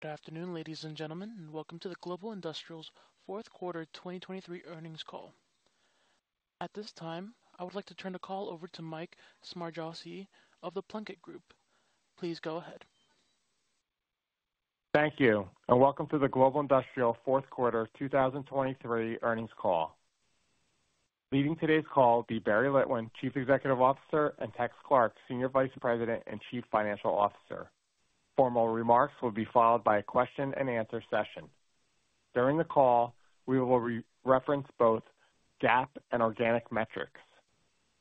Good afternoon, ladies and gentlemen, and welcome to the Global Industrial's fourth quarter 2023 earnings call. At this time, I would like to turn the call over to Mike Smargiassi of The Plunkett Group. Please go ahead. Thank you, and welcome to the Global Industrial fourth quarter 2023 earnings call. Leading today's call will be Barry Litwin, Chief Executive Officer, and Tex Clark, Senior Vice President and Chief Financial Officer. Formal remarks will be followed by a question-and-answer session. During the call, we will re-reference both GAAP and organic metrics.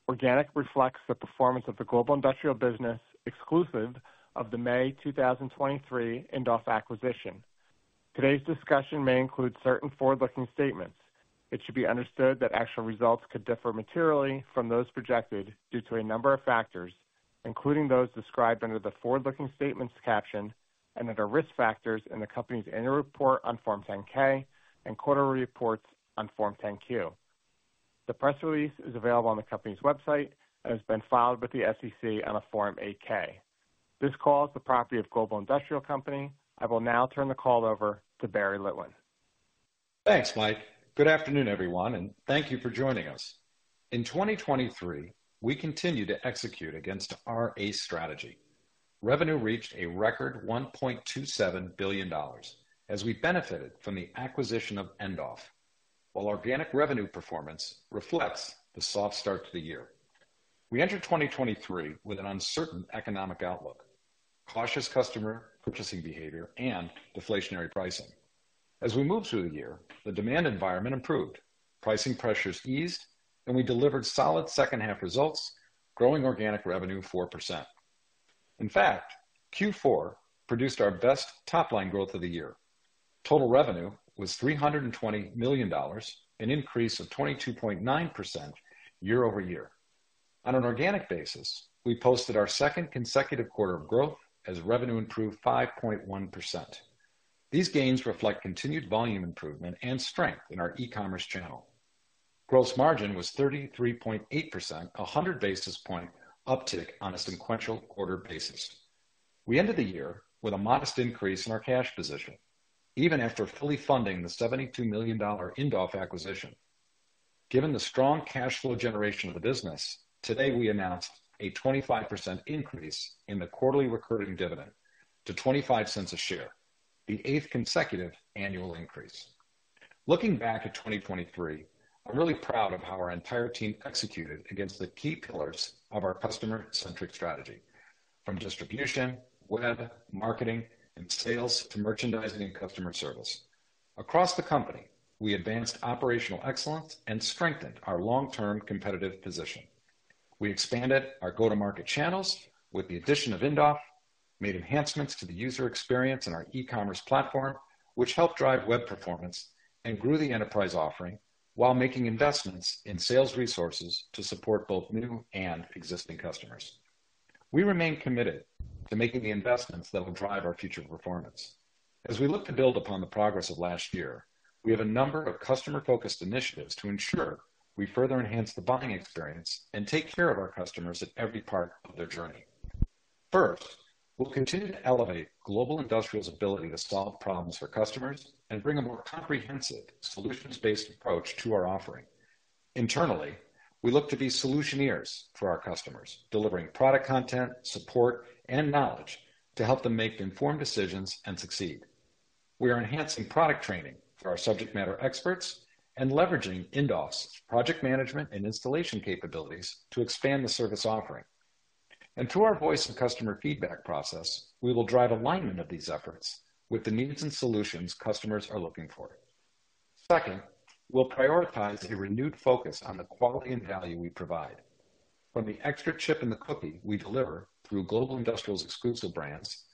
Organic reflects the performance of the Global Industrial business exclusive of the May 2023 Indoff acquisition. Today's discussion may include certain forward-looking statements. It should be understood that actual results could differ materially from those projected due to a number of factors, including those described under the forward-looking statements caption, and that are risk factors in the company's annual report on Form 10-K and quarterly reports on Form 10-Q. The press release is available on the company's website and has been filed with the SEC on a Form 8-K. This call is the property of Global Industrial Company. I will now turn the call over to Barry Litwin. Thanks, Mike. Good afternoon, everyone, and thank you for joining us. In 2023, we continued to execute against our ACE Strategy. Revenue reached a record $1.27 billion as we benefited from the acquisition of Indoff, while organic revenue performance reflects the soft start to the year. We entered 2023 with an uncertain economic outlook, cautious customer purchasing behavior, and deflationary pricing. As we moved through the year, the demand environment improved. Pricing pressures eased, and we delivered solid second-half results, growing organic revenue 4%. In fact, Q4 produced our best top-line growth of the year. Total revenue was $320 million, an increase of 22.9% year-over-year. On an organic basis, we posted our second consecutive quarter of growth as revenue improved 5.1%. These gains reflect continued volume improvement and strength in our e-commerce channel. Gross margin was 33.8%, 100 basis points uptick on a sequential quarter basis. We ended the year with a modest increase in our cash position, even after fully funding the $72 million Indoff acquisition. Given the strong cash flow generation of the business, today, we announced a 25% increase in the quarterly recurring dividend to $0.25 a share, the eighth consecutive annual increase. Looking back at 2023, I'm really proud of how our entire team executed against the key pillars of our customer-centric strategy, from distribution, web, marketing, and sales, to merchandising and customer service. Across the company, we advanced operational excellence and strengthened our long-term competitive position. We expanded our go-to-market channels with the addition of Indoff, made enhancements to the user experience in our e-commerce platform, which helped drive web performance and grew the enterprise offering while making investments in sales resources to support both new and existing customers. We remain committed to making the investments that will drive our future performance. As we look to build upon the progress of last year, we have a number of customer-focused initiatives to ensure we further enhance the buying experience and take care of our customers at every part of their journey. First, we'll continue to elevate Global Industrial's ability to solve problems for customers and bring a more comprehensive solutions-based approach to our offering. Internally, we look to be Solutioneers for our customers, delivering product content, support, and knowledge to help them make informed decisions and succeed. We are enhancing product training for our subject matter experts and leveraging Indoff's project management and installation capabilities to expand the service offering. And through our Voice of the Customer feedback process, we will drive alignment of these efforts with the needs and solutions customers are looking for. Second, we'll prioritize a renewed focus on the quality and value we provide. From the extra chip in the cookie we deliver through Global Industrial's exclusive brands,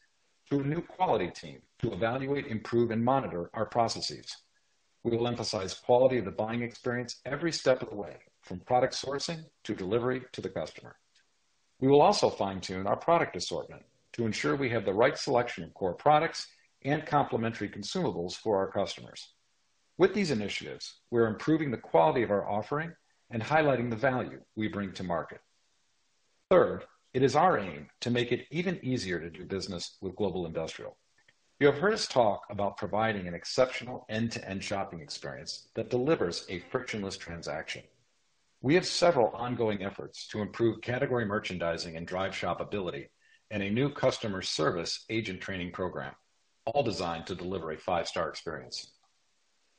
to a new quality team to evaluate, improve, and monitor our processes. We will emphasize quality of the buying experience every step of the way, from product sourcing to delivery to the customer. We will also fine-tune our product assortment to ensure we have the right selection of core products and complementary consumables for our customers. With these initiatives, we are improving the quality of our offering and highlighting the value we bring to market. Third, it is our aim to make it even easier to do business with Global Industrial. You have heard us talk about providing an exceptional end-to-end shopping experience that delivers a frictionless transaction. We have several ongoing efforts to improve category merchandising and drive shoppability, and a new customer service agent training program, all designed to deliver a five-star experience.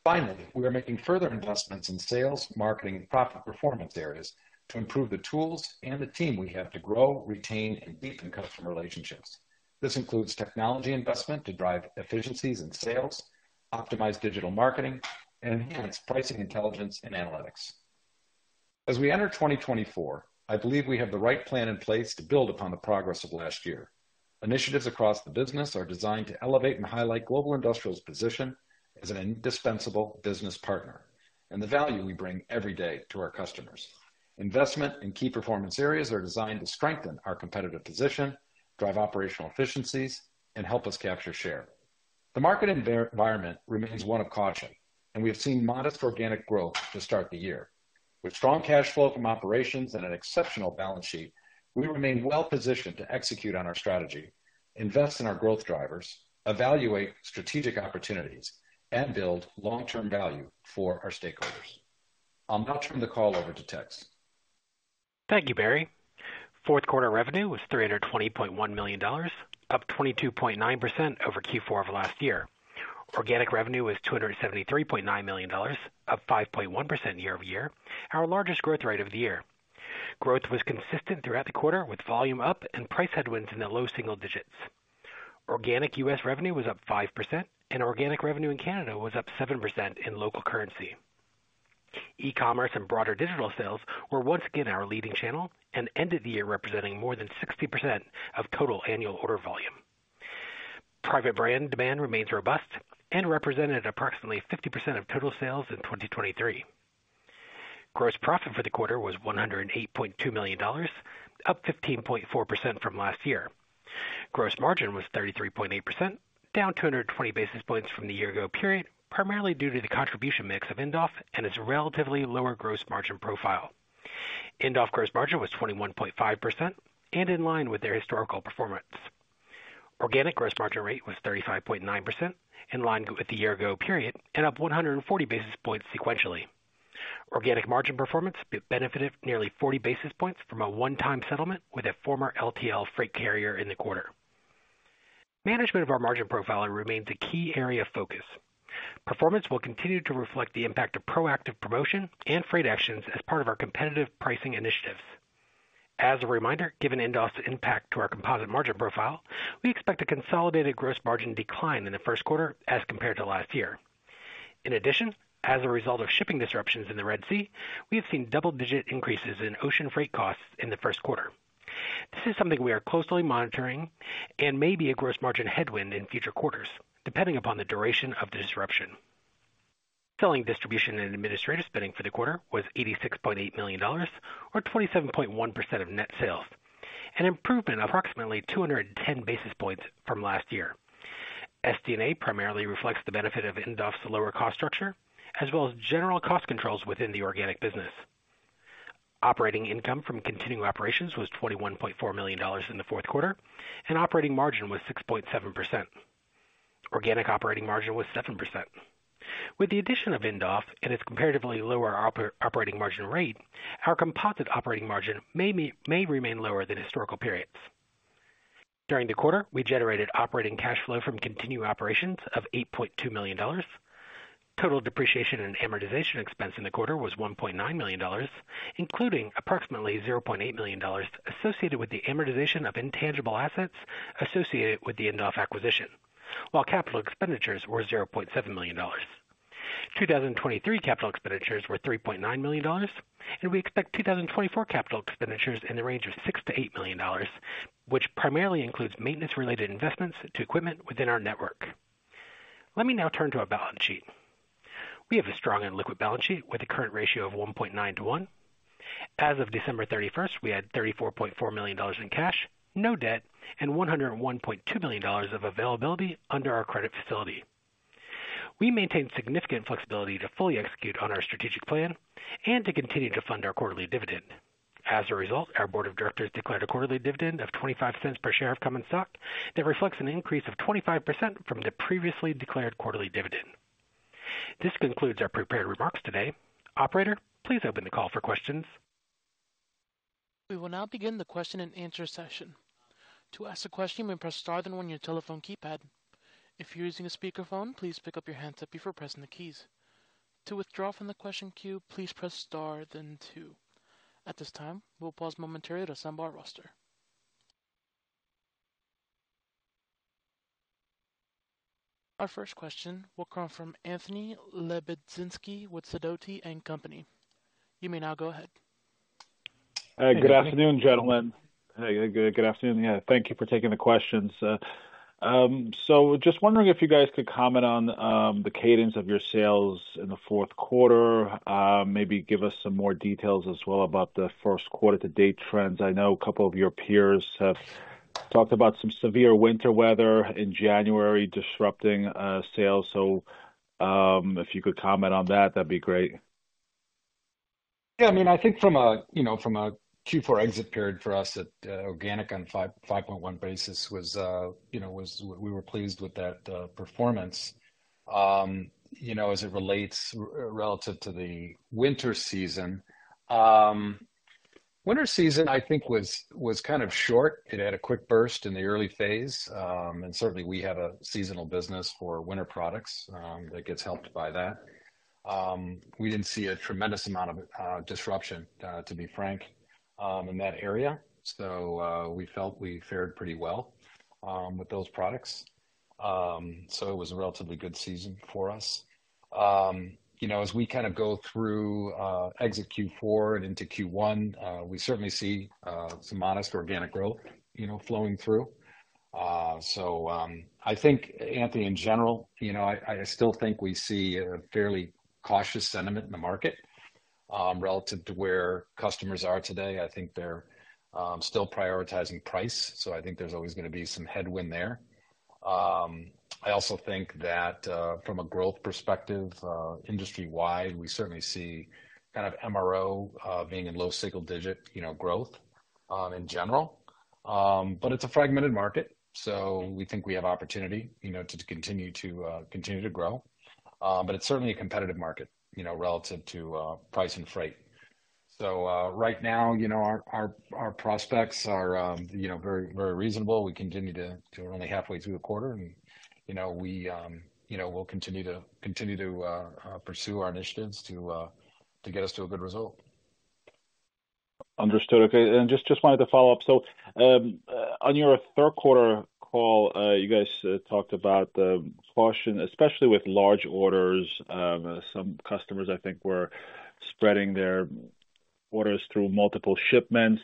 Finally, we are making further investments in sales, marketing, and profit performance areas to improve the tools and the team we have to grow, retain, and deepen customer relationships. This includes technology investment to drive efficiencies and sales, optimize digital marketing, and enhance pricing, intelligence, and analytics. As we enter 2024, I believe we have the right plan in place to build upon the progress of last year. Initiatives across the business are designed to elevate and highlight Global Industrial's position as an indispensable business partner, and the value we bring every day to our customers. Investment in key performance areas are designed to strengthen our competitive position, drive operational efficiencies, and help us capture share. The market environment remains one of caution, and we have seen modest organic growth to start the year. With strong cash flow from operations and an exceptional balance sheet, we remain well positioned to execute on our strategy, invest in our growth drivers, evaluate strategic opportunities, and build long-term value for our stakeholders. I'll now turn the call over to Tex. Thank you, Barry. Fourth quarter revenue was $320.1 million, up 22.9% over Q4 of last year. Organic revenue was $273.9 million, up 5.1% year-over-year, our largest growth rate of the year. Growth was consistent throughout the quarter, with volume up and price headwinds in the low single digits. Organic US revenue was up 5%, and organic revenue in Canada was up 7% in local currency. E-commerce and broader digital sales were once again our leading channel and ended the year representing more than 60% of total annual order volume. Private brand demand remains robust and represented approximately 50% of total sales in 2023. Gross profit for the quarter was $108.2 million, up 15.4% from last year. Gross margin was 33.8%, down 220 basis points from the year ago period, primarily due to the contribution mix of Indoff and its relatively lower gross margin profile. Indoff gross margin was 21.5% and in line with their historical performance. Organic gross margin rate was 35.9%, in line with the year ago period and up 140 basis points sequentially. Organic margin performance benefited nearly 40 basis points from a one-time settlement with a former LTL freight carrier in the quarter. Management of our margin profile remains a key area of focus. Performance will continue to reflect the impact of proactive promotion and freight actions as part of our competitive pricing initiatives. As a reminder, given Indoff's impact to our composite margin profile, we expect a consolidated gross margin decline in the first quarter as compared to last year. In addition, as a result of shipping disruptions in the Red Sea, we have seen double-digit increases in ocean freight costs in the first quarter. This is something we are closely monitoring and may be a gross margin headwind in future quarters, depending upon the duration of the disruption. Selling, distribution, and administrative spending for the quarter was $86.8 million, or 27.1% of net sales, an improvement of approximately 210 basis points from last year. SD&A primarily reflects the benefit of Indoff's lower cost structure, as well as general cost controls within the organic business. Operating income from continuing operations was $21.4 million in the fourth quarter, and operating margin was 6.7%. Organic operating margin was 7%. With the addition of Indoff and its comparatively lower operating margin rate, our composite operating margin may be, may remain lower than historical periods. During the quarter, we generated operating cash flow from continuing operations of $8.2 million. Total depreciation and amortization expense in the quarter was $1.9 million, including approximately $0.8 million associated with the amortization of intangible assets associated with the Indoff acquisition, while capital expenditures were $0.7 million. 2023 capital expenditures were $3.9 million, and we expect 2024 capital expenditures in the range of $6 million-$8 million, which primarily includes maintenance-related investments to equipment within our network. Let me now turn to our balance sheet. We have a strong and liquid balance sheet with a current ratio of 1.9 to 1. As of December 31st, we had $34.4 million in cash, no debt, and $101.2 million of availability under our credit facility. We maintain significant flexibility to fully execute on our strategic plan and to continue to fund our quarterly dividend. As a result, our board of directors declared a quarterly dividend of $0.25 per share of common stock. That reflects an increase of 25% from the previously declared quarterly dividend. This concludes our prepared remarks today. Operator, please open the call for questions. We will now begin the question-and-answer session. To ask a question, press star, then one your telephone keypad. If you're using a speakerphone, please pick up your handset before pressing the keys. To withdraw from the question queue, please press star then two. At this time, we'll pause momentarily to assemble our roster. Our first question will come from Anthony Lebiedzinski with Sidoti & Company. You may now go ahead. Hi, good afternoon, gentlemen. Hey, good afternoon. Thank you for taking the questions. So just wondering if you guys could comment on the cadence of your sales in the fourth quarter. Maybe give us some more details as well about the first quarter to date trends. I know a couple of your peers have talked about some severe winter weather in January, disrupting sales. So, if you could comment on that, that'd be great. Yeah, I mean, I think from a, you know, from a Q4 exit period for us at organic on 5.1 basis was. You know, we were pleased with that performance. You know, as it relates relative to the winter season, winter season I think was kind of short. It had a quick burst in the early phase, and certainly we have a seasonal business for winter products that gets helped by that. We didn't see a tremendous amount of disruption, to be frank, in that area. So, we felt we fared pretty well with those products. So it was a relatively good season for us. You know, as we kind of go through exit Q4 and into Q1, we certainly see some modest organic growth, you know, flowing through. So, I think Anthony, in general, you know, I still think we see a fairly cautious sentiment in the market, relative to where customers are today. I think they're still prioritizing price, so I think there's always going to be some headwind there. I also think that from a growth perspective, industry-wide, we certainly see kind of MRO being in low single digit, you know, growth in general. But it's a fragmented market, so we think we have opportunity, you know, to continue to grow. But it's certainly a competitive market, you know, relative to price and freight. So, right now, you know, our prospects are, you know, very, very reasonable. We continue to, we're only halfway through the quarter and, you know, we, you know, we'll continue to pursue our initiatives to get us to a good result. Understood. Okay, and just, just wanted to follow up. So, on your third quarter call, you guys talked about the caution, especially with large orders. Some customers, I think, were spreading their orders through multiple shipments.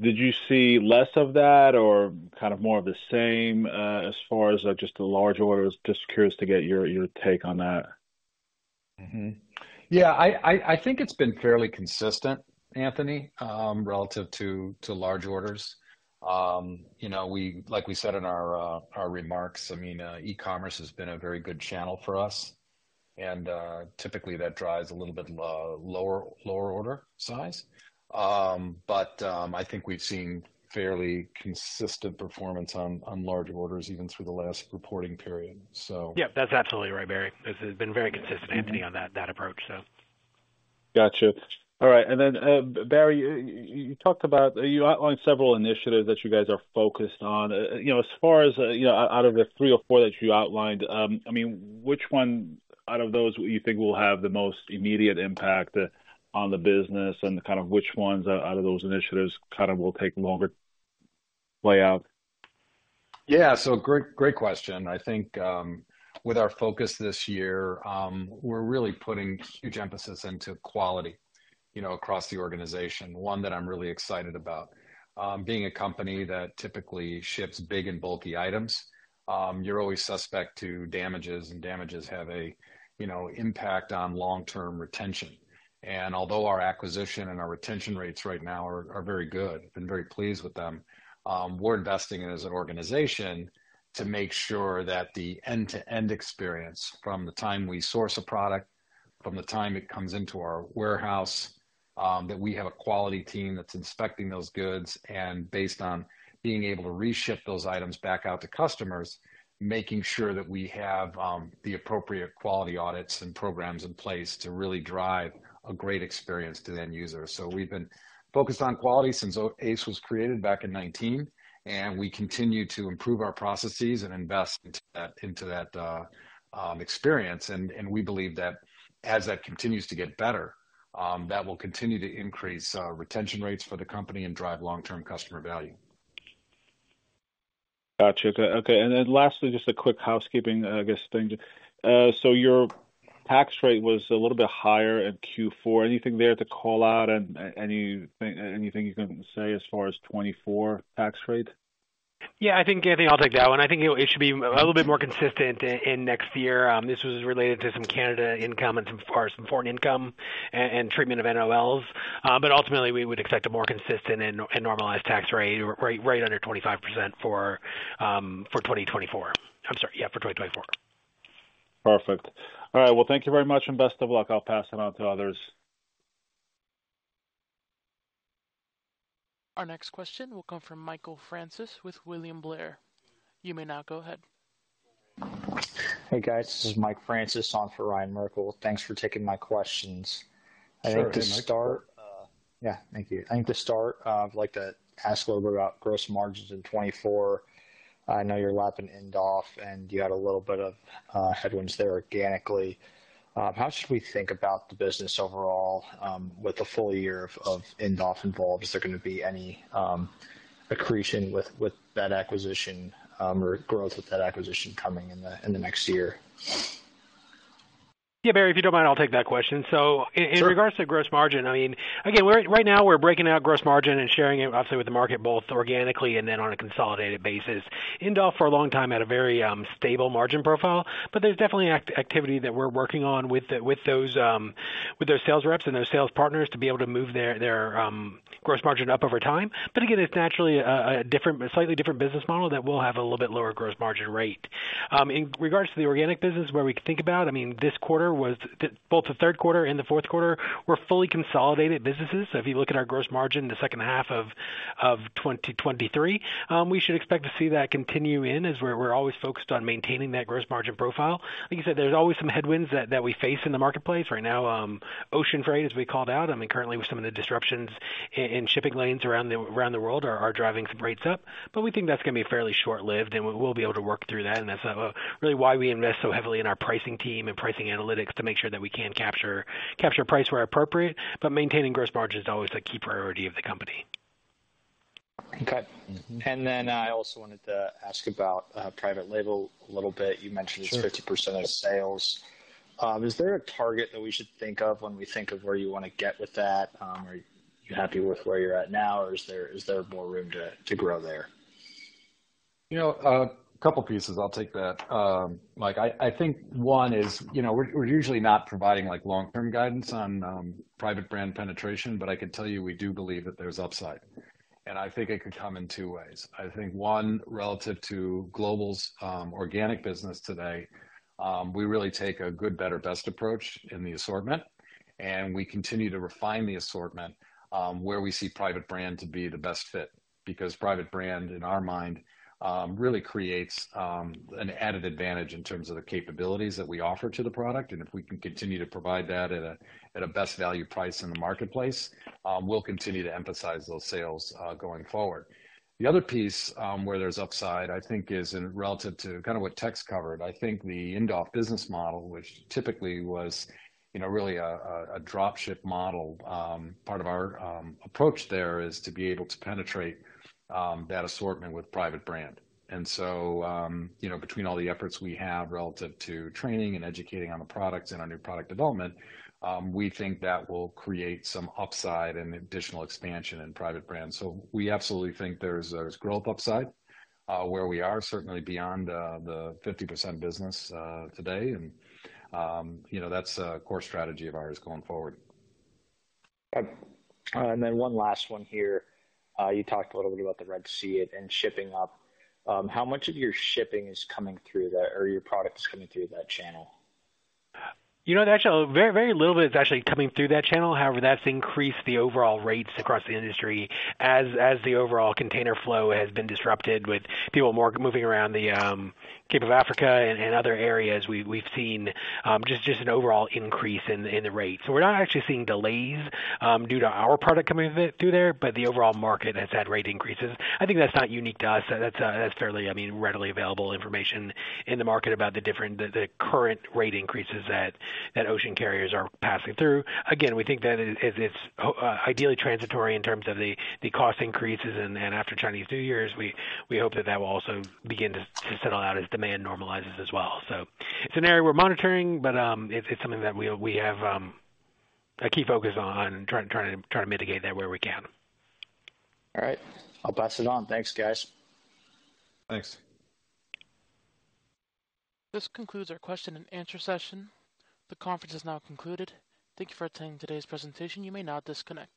Did you see less of that or kind of more of the same, as far as just the large orders? Just curious to get your, your take on that. Mm-hmm. Yeah, I think it's been fairly consistent, Anthony, relative to large orders. You know, like we said in our remarks, I mean, e-commerce has been a very good channel for us, and typically that drives a little bit lower order size. But I think we've seen fairly consistent performance on large orders, even through the last reporting period, so. Yeah, that's absolutely right, Barry. It's been very consistent, Anthony, on that approach, so. Gotcha. All right. And then, Barry, you talked about. You outlined several initiatives that you guys are focused on. You know, as far as, you know, out of the three or four that you outlined, I mean, which one out of those you think will have the most immediate impact on the business, and kind of which ones out of those initiatives kind of will take longer play out? Yeah, so great, great question. I think, with our focus this year, we're really putting huge emphasis into quality, you know, across the organization, one that I'm really excited about. Being a company that typically ships big and bulky items, you're always suspect to damages, and damages have a, you know, impact on long-term retention. Although our acquisition and our retention rates right now are very good. We've been very pleased with them. We're investing, as an organization, to make sure that the end-to-end experience, from the time we source a product, from the time it comes into our warehouse, that we have a quality team that's inspecting those goods and based on being able to reship those items back out to customers, making sure that we have the appropriate quality audits and programs in place to really drive a great experience to the end user. So we've been focused on quality since ACE was created back in nineteen, and we continue to improve our processes and invest into that experience. And we believe that as that continues to get better, that will continue to increase retention rates for the company and drive long-term customer value. Got you. Okay, and then lastly, just a quick housekeeping, I guess, thing. So your tax rate was a little bit higher in Q4. Anything there to call out and anything, anything you can say as far as 2024 tax rate? Yeah, I think, I think I'll take that one. I think it should be a little bit more consistent in next year. This was related to some Canada income and some foreign income and treatment of NOLs. But ultimately, we would expect a more consistent and normalized tax rate, right under 25% for 2024. I'm sorry, yeah, for 2024. Perfect. All right, well, thank you very much, and best of luck. I'll pass it on to others. Our next question will come from Michael Francis with William Blair. You may now go ahead. Hey, guys, this is Mike Francis on for Ryan Merkel. Thanks for taking my questions. Sure, hey, Mike. I think to start, Yeah, thank you. I think to start, I'd like to ask a little bit about gross margins in 2024. I know you're lapping Indoff, and you had a little bit of headwinds there organically. How should we think about the business overall, with the full year of Indoff involved? Is there gonna be any accretion with that acquisition, or growth with that acquisition coming in the next year? Yeah, Barry, if you don't mind, I'll take that question. Sure. So in regards to gross margin, I mean, again, right now we're breaking out gross margin and sharing it, obviously, with the market, both organically and then on a consolidated basis. Indoff, for a long time, had a very stable margin profile, but there's definitely activity that we're working on with the, with those, with their sales reps and their sales partners to be able to move their gross margin up over time. But again, it's naturally a slightly different business model that will have a little bit lower gross margin rate. In regards to the organic business, where we can think about, I mean, this quarter was both the third quarter and the fourth quarter were fully consolidated businesses. So if you look at our gross margin in the second half of 2023, we should expect to see that continue in, as we're always focused on maintaining that gross margin profile. Like you said, there's always some headwinds that we face in the marketplace. Right now, ocean freight, as we called out, I mean, currently with some of the disruptions in shipping lanes around the world are driving some rates up, but we think that's gonna be fairly short-lived, and we will be able to work through that. And that's really why we invest so heavily in our pricing team and pricing analytics to make sure that we can capture price where appropriate, but maintaining gross margin is always a key priority of the company. Okay. Mm-hmm. I also wanted to ask about private label a little bit. Sure. You mentioned it's 50% of sales. Is there a target that we should think of when we think of where you wanna get with that? Are you happy with where you're at now, or is there more room to grow there? You know, a couple pieces, I'll take that. Mike, I think one is, you know, we're usually not providing, like, long-term guidance on private brand penetration, but I can tell you we do believe that there's upside. And I think it could come in two ways. I think one, relative to Global's organic business today, we really take a good, better, best approach in the assortment, and we continue to refine the assortment, where we see private brand to be the best fit. Because private brand, in our mind, really creates an added advantage in terms of the capabilities that we offer to the product. And if we can continue to provide that at a best value price in the marketplace, we'll continue to emphasize those sales going forward. The other piece, where there's upside, I think, is in relative to kind of what Tex covered. I think the Indoff business model, which typically was, you know, really a drop ship model, part of our approach there is to be able to penetrate that assortment with private brand. And so, you know, between all the efforts we have relative to training and educating on the products and on new product development, we think that will create some upside and additional expansion in private brands. So we absolutely think there's growth upside, where we are certainly beyond the 50% business today. And, you know, that's a core strategy of ours going forward. And then one last one here. You talked a little bit about the Red Sea and shipping up. How much of your shipping is coming through that, or your products coming through that channel? You know, actually, very, very little bit is actually coming through that channel. However, that's increased the overall rates across the industry. As the overall container flow has been disrupted with people more moving around the Cape of Africa and other areas, we've seen just an overall increase in the rates. So we're not actually seeing delays due to our product coming through there, but the overall market has had rate increases. I think that's not unique to us. That's fairly, I mean, readily available information in the market about the current rate increases that ocean carriers are passing through. Again, we think that it's ideally transitory in terms of the cost increases, and after Chinese New Year, we hope that that will also begin to settle out as demand normalizes as well. So it's an area we're monitoring, but it's something that we have a key focus on and trying to mitigate that where we can. All right, I'll pass it on. Thanks, guys. Thanks. This concludes our question and answer session. The conference is now concluded. Thank you for attending today's presentation. You may now disconnect.